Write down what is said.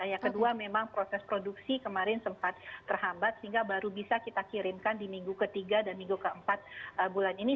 yang kedua memang proses produksi kemarin sempat terhambat sehingga baru bisa kita kirimkan di minggu ketiga dan minggu keempat bulan ini